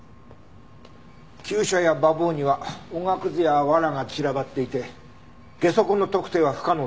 厩舎や馬房にはおがくずや藁が散らばっていてゲソ痕の特定は不可能だったよ。